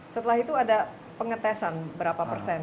setelah itu ada pengetesan berapa persen